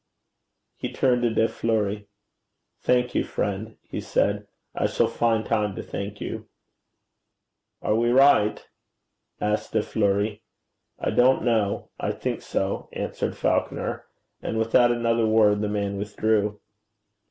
He turned to De Fleuri. 'Thank you, friend,' he said. 'I shall find time to thank you.' 'Are we right?' asked De Fleuri. 'I don't know. I think so,' answered Falconer; and without another word the man withdrew.